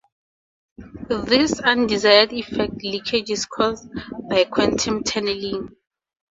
This undesired effect, "leakage", is caused by quantum tunneling.